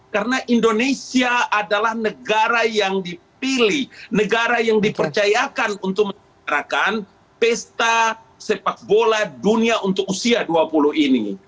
karena indonesia adalah negara yang dipilih negara yang dipercayakan untuk menjalankan pesta sepak bola dunia untuk usia dua puluh ini